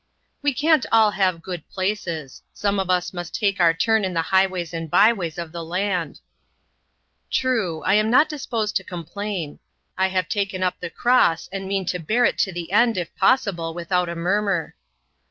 "We can't all have good places. Some of us must take our turn in the highways and byways of the land." "True; I am not disposed to complain. I have taken up the cross, and mean to bear it to the end, if possible, without a murmur."